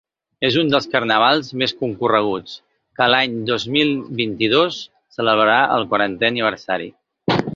És un dels carnavals més concorreguts, que l’any dos mil vint-i-dos celebrarà el quarantè aniversari.